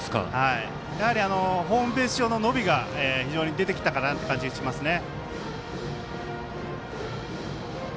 やはりホームベース上の伸びが非常に出てきた感じがしますね。